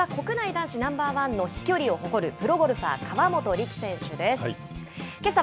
今月は国内男子ナンバーワンの飛距離を誇るプロゴルファー、河本力選手です。